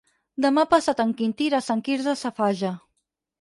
Demà passat en Quintí irà a Sant Quirze Safaja.